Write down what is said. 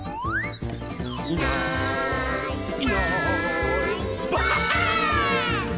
「いないいないばあっ！」